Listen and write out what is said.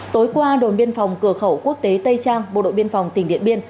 tối qua đồn biên phòng cửa khẩu quốc tế tây trang bộ đội biên phòng tỉnh điện biên